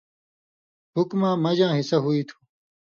حُکماں مژاں حِصہ ہُوئ تھُو۔